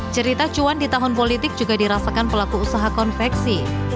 cerita cuan di tahun politik juga dirasakan pelaku usaha konveksi